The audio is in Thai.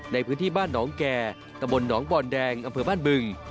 ในพื้นที่บ้านหนองแก่ตะบนหนองบ่อนแดงอำเภอบ้านบึง